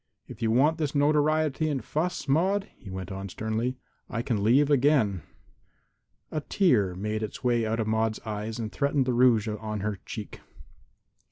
If you want this notoriety and fuss, Maude," he went on sternly, "I can leave again." A tear made its way out of Maude's eyes and threatened the rouge on her cheek.